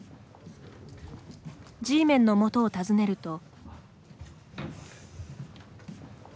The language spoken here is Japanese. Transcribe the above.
Ｇメンのもとを訪ねると。